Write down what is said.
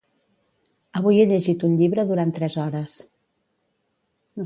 Avui he llegit un llibre durant tres hores.